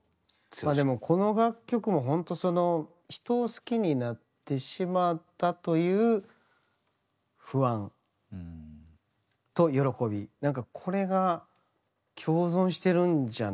でもこの楽曲もほんとその人を好きになってしまったという不安と喜びなんかこれが共存してるんじゃないかなって。